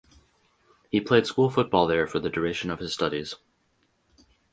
He played school football there for the duration of his studies.